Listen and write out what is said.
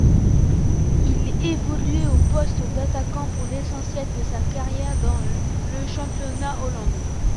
Il évoluait au poste d'attaquant, pour l'essentiel de sa carrière dans le championnat hollandais.